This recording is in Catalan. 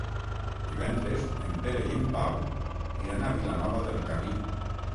Divendres en Pere i en Pau iran a Vilanova del Camí.